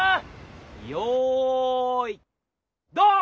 よいドン！